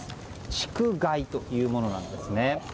竹害というものなんですね。